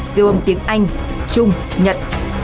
siêu âm tiếng anh chung nhận